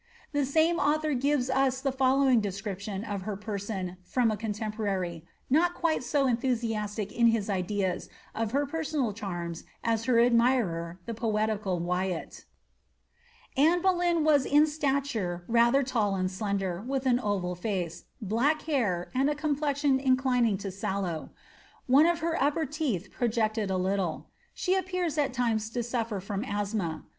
'^ The same author gives us the fol lowing description of her person from a contemporary, not quite so enthusiastic in bis ideas of her personal charms as her admirer the poeti cal Wyatt ^ Anne Boleyn was in stature rather tall and slender, with an oval (ace, Uack hair, and a complexion inclining to sallow ; one of her upper teeth projected a litde. She appeared at times to sufier from asthma.